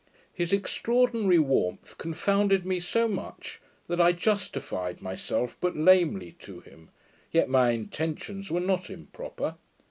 His extraordinary warmth confounded me so much, that I justified myself but lamely to him; yet my intentions were not improper.